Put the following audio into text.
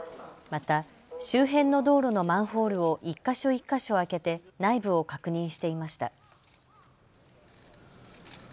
また周辺の道路のマンホールを一か所、一か所開けて内部を確認していました。